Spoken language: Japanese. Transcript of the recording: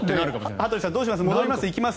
羽鳥さん、どうします？